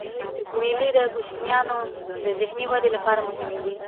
مېلې د کوچنيانو د ذهني ودي له پاره مهمي دي.